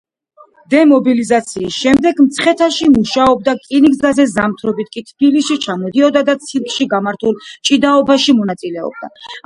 დემობილიზაციის შემდეგ მცხეთაში მუშაობდა რკინიგზაზე, ზამთრობით კი თბილისში ჩამოდიოდა და ცირკში გამართულ ჭიდაობაში მონაწილეობდა.